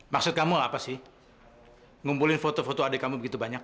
maksud kamu apa sih ngumpulin foto foto adik kamu begitu banyak